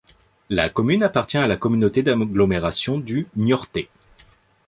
La commune appartient à la communauté d'agglomération du Niortais.